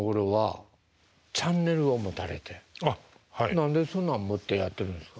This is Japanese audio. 何でそんなの持ってやってるんですか？